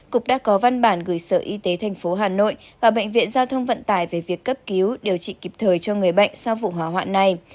cục đã có văn bản gửi sở y tế tp hà nội và bệnh viện giao thông vận tải về việc cấp cứu điều trị kịp thời cho người bệnh sau vụ hỏa hoạn này